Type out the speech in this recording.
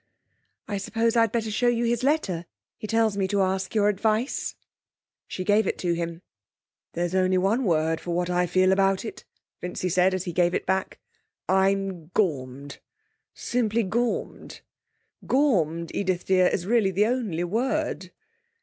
'I suppose I'd better show you his letter. He tells me to ask your advice.' She gave it to him. 'There is only one word for what I feel about it,' Vincy said, as he gave it back. 'I'm gormed! Simply gormed! Gormed, Edith dear, is really the only word.'